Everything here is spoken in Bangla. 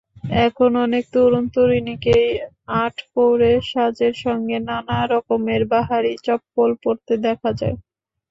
এখন অনেক তরুণ-তরুণীকেই আটপৌরে সাজের সঙ্গে নানা রকমের বাহারি চপ্পল পরতে দেখা যায়।